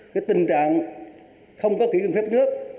cái tình trạng không có kỷ ứng phép nước